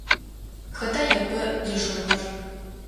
Хэта непэ дежурнэр?